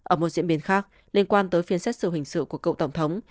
ở một diễn biến khác liên quan tới phiên xét sự hình sự của cậu tổng thống